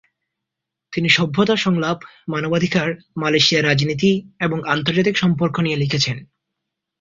তিনি সভ্যতা সংলাপ, মানবাধিকার, মালয়েশিয়ার রাজনীতি এবং আন্তর্জাতিক সম্পর্ক নিয়ে লিখেছেন।